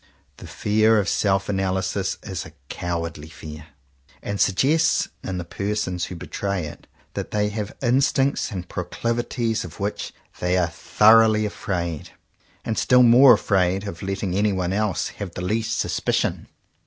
The fear of self analysis is a cowardly fear, and suggests in the persons who betray it, that they have instincts and proclivities of which they are thoroughly afraid; and still more afraid of letting any one else have the least suspicion.